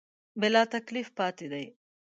بلاتکلیف پاتې دي.